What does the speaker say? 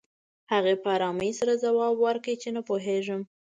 هغې په ارامۍ سره ځواب ورکړ چې نه پوهېږم